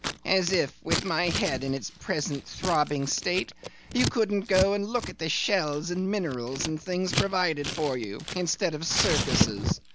'As if, with my head in its present throbbing state, you couldn't go and look at the shells and minerals and things provided for you, instead of circuses!